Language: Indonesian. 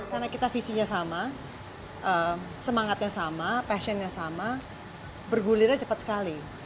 karena kita visinya sama semangatnya sama passionnya sama bergulirnya cepat sekali